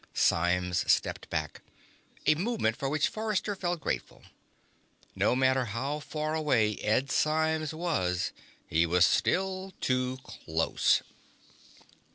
Symes stepped back, a movement for which Forrester felt grateful. No matter how far away Ed Symes was, he was still too close.